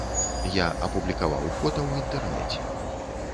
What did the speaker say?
Я апублікаваў фота ў інтэрнэце.